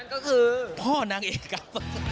ก็คือพ่อนางเอกครับ